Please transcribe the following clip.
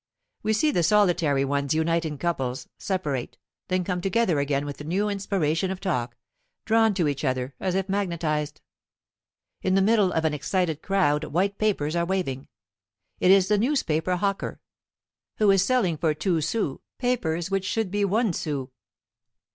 We see the solitary ones unite in couples, separate, then come together again with a new inspiration of talk, drawn to each other as if magnetized. In the middle of an excited crowd white papers are waving. It is the newspaper hawker, who is selling for two sous papers which should be one sou.